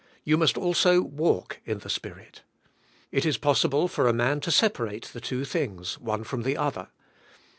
You must also walk in the Spirit. It is possible for a man to separate the two things, one from the other.